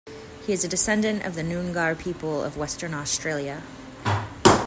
He is a descendant of the Noongar people of Western Australia.